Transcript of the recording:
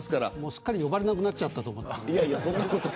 すっかり呼ばれなくなっちゃったと思って。